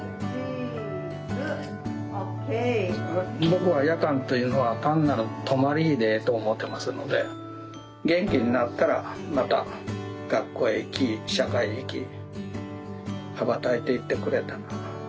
僕は夜間というのは単なる止まり木でええと思うてますので元気になったらまた学校へ行き社会へ行き羽ばたいていってくれたら。